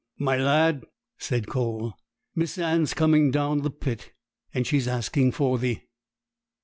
'My lad,' said Cole, 'Miss Anne's come down the pit, and she's asking for thee.'